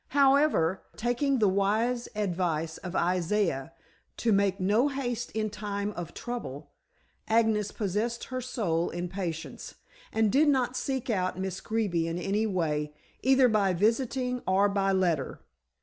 However, taking the wise advice of Isaiah to "Make no haste in time of trouble," Agnes possessed her soul in patience, and did not seek out Miss Greeby in any way, either by visiting or by letter.